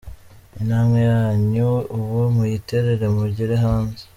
Intambwe yanyu ubu muyiterere mugere hanze